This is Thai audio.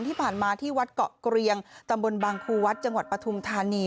ที่ผ่านมาที่วัดเกาะเกรียงตำบลบางครูวัดจังหวัดปฐุมธานี